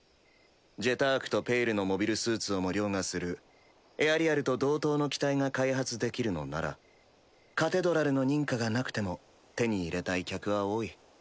「ジェターク」と「ペイル」のモビルスーツをも凌駕するエアリアルと同等の機体が開発できるのならカテドラルの認可がなくても手に入れたい客は多い。